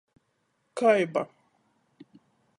Kai ba.